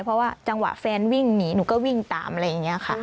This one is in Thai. เพราะว่าจังหวะแฟนวิ่งหนีหนูก็วิ่งตามอะไรอย่างนี้ค่ะ